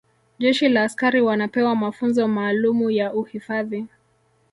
jeshi la askari wanapewa mafunzo maalumu ya uhifadhi